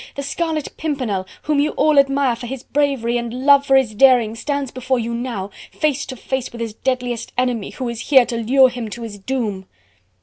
The Scarlet Pimpernel, whom you all admire for his bravery, and love for his daring, stands before you now, face to face with his deadliest enemy, who is here to lure him to his doom!"